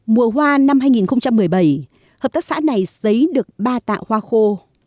mùa hoa năm hai nghìn một mươi bảy hợp tác xã này xấy được ba tạ hoa khô